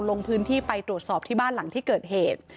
ลงพื้นที่ไปตรวจสอบที่บ้านหลังที่เกิดเหตุ